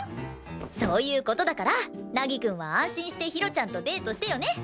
そういう事だから凪くんは安心してひろちゃんとデートしてよね！